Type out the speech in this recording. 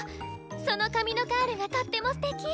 その髪のカールがとってもすてき！